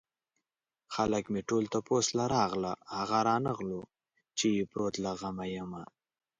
خلک مې ټول تپوس له راغله هغه رانغلو چې يې پروت له غمه يمه